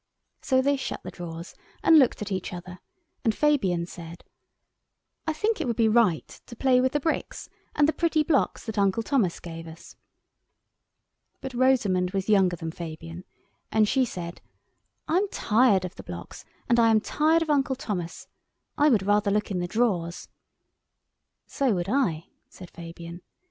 So they shut the drawers and looked at each other, and Fabian said, "I think it would be right to play with the bricks and the pretty blocks that Uncle Thomas gave us." But Rosamund was younger than Fabian, and she said, "I am tired of the blocks, and I am tired of Uncle Thomas. I would rather look in the drawers." "So would I," said Fabian.